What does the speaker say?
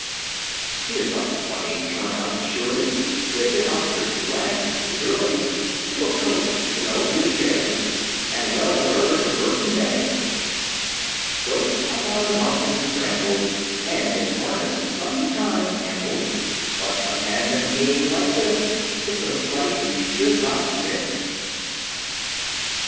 Here's a funny turnout, surely, With an Ostrich lashed securely To a coach, Zenobia shares! And well the bird the burden bears! Goats upon the mountains ramble, And in harness sometimes amble; But a tandem team like this, Is a sight you should not miss.